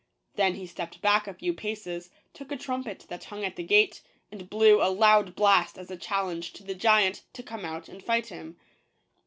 Then he stepped back a few paces, took a trumpet that hung at the gate, and blew a loud blast as a challenge to the giant to come out and fight him.